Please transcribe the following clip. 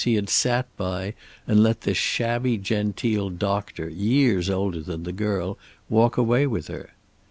He had sat by, and let this shabby genteel doctor, years older than the girl, walk away with her.